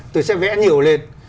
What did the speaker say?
tôi sẽ vẽ nhiều lên